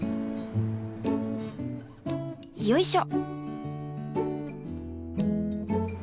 よいしょ！